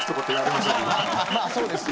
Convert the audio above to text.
まあそうですよ。